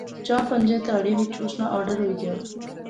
چاں پنجیں تہاڑیں وچ اسے ناں آرڈر ہوئی گیا